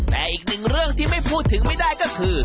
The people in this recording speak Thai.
แต่อีกหนึ่งเรื่องที่ไม่พูดถึงไม่ได้ก็คือ